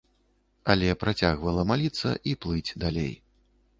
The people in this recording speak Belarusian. Але працягвала маліцца і плыць далей.